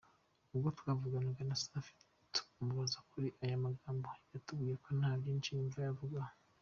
Ubwo twavuganaga na Safi tumubaza kuri aya magambo, yatubwiye ko nta byinshi yumva yayavugaho.